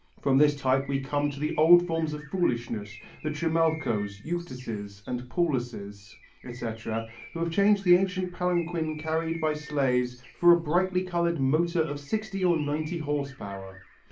From this type we come to the old forms of foolishness, the Trimalchos, Euctuses and Paulluses, etc., who have changed the ancient palanquin carried by slaves for a brightly coloured motor of sixty or ninety horse power.